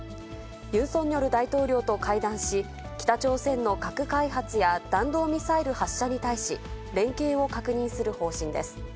ユン・ソンニョル大統領と会談し、北朝鮮の核開発や弾道ミサイル発射に対し、連携を確認する方針です。